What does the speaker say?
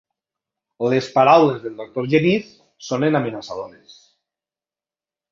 Les paraules del doctor Genís sonen amenaçadores.